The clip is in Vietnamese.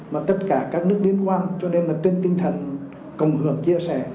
mà tất cả các nước liên quan cho nên là trên tinh thần cộng hưởng chia sẻ